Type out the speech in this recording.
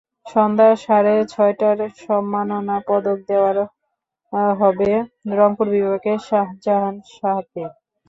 সন্ধ্যা সাড়ে ছয়টায় সম্মাননা পদক দেওয়া হবে রংপুর বিভাগের শাহজাহান শাহকে।